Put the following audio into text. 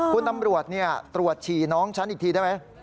คุณตำรวจตรวจฉี่น้องฉันอีกทีได้ไหม